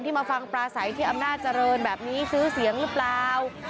มาฟังปลาใสที่อำนาจเจริญแบบนี้ซื้อเสียงหรือเปล่า